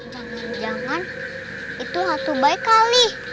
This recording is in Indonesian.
jangan jangan itu hatu baik kali